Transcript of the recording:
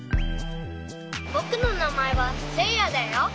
ぼくのなまえはせいやだよ。